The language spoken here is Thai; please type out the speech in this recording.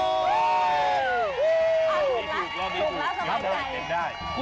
ถูกแล้วสมัยใจนะครับผมเห็นได้